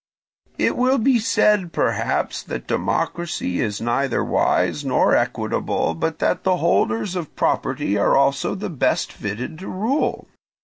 "It will be said, perhaps, that democracy is neither wise nor equitable, but that the holders of property are also the best fitted to rule.